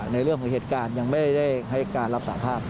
ในเรื่องของเหตุการณ์ยังไม่ได้ให้การรับสาภาพ